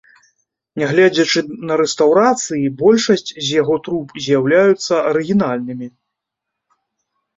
Нягледзячы на рэстаўрацыі, большасць з яго труб з'яўляюцца арыгінальнымі.